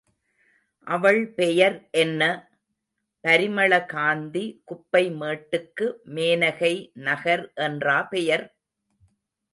அவள் பெயர் என்ன? பரிமள கந்தி குப்பை மேட்டுக்கு மேனகை நகர் என்றா பெயர்?